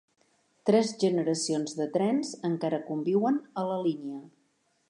Tres generacions de trens encara conviuen a la línia.